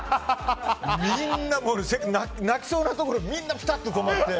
みんな、泣きそうなところみんなピタッと止まって。